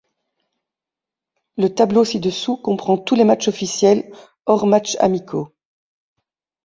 Le tableaux ci-dessous, comprend tous les matches officiels hors matches amicaux.